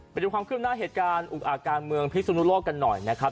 ไปดูความขึ้นหน้าเหตุการณ์อุกอาจการเมืองพิสุนุโลกกันหน่อยนะครับ